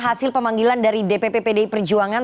hasil pemanggilan dari dpp pdi perjuangan